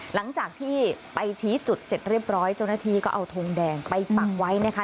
หลังจากที่ไปชี้จุดเสร็จเรียบร้อยเจ้าหน้าที่ก็เอาทงแดงไปปักไว้นะคะ